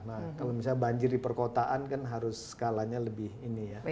nah kalau misalnya banjir di perkotaan kan harus skalanya lebih ini ya